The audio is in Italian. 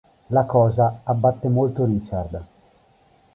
La cosa abbatte molto Richard.